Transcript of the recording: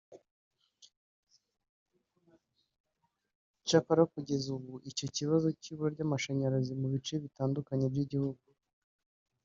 Cyakora kugeza ubu icyo kibazo cy’ibura ry’amashanyarazi mu bice bitandukanye by’igihugu